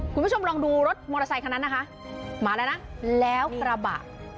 คุณผู้ชมลองดูรถมอเตอร์ไซคันนั้นนะคะมาแล้วนะแล้วกระบะ